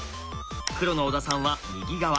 黒の小田さんは右側。